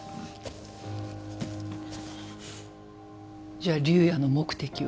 じゃあ竜也の目的は？